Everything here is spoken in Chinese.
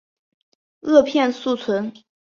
萼片宿存。